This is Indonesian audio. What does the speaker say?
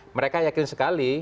mereka yakin sekali